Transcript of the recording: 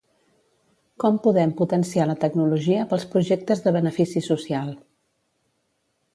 Com podem potenciar la tecnologia pels projectes de benefici social.